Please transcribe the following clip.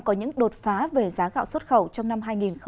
có những đột phá về giá gạo xuất khẩu trong năm hai nghìn hai mươi